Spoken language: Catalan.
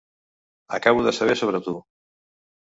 Acabo de saber sobre tu.